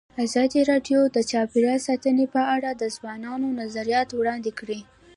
ازادي راډیو د چاپیریال ساتنه په اړه د ځوانانو نظریات وړاندې کړي.